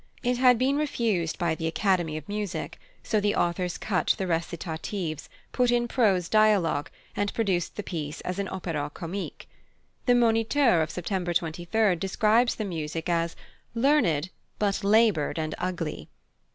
It had been refused by the Academy of Music, so the authors cut the recitatives, put in prose dialogue, and produced the piece as an opéra comique. The Moniteur of September 23 describes the music as "learned, but laboured and ugly."